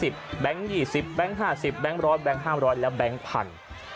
แบงค์๒๐แบงค์๕๐แบงค์ร้อน๑๒๓แล้วแบงค์พันธุ์